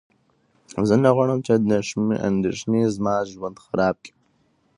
زه نه غواړم چې اندېښنې زما ژوند خراب کړي.